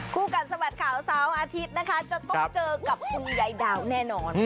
คู่กัดสะบัดข่าวเสาร์อาทิตย์นะคะจะต้องเจอกับคุณยายดาวแน่นอน